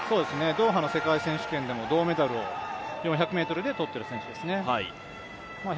ドーハの世界選手権でも銅メダルを４００ｍで取っている選手ですね。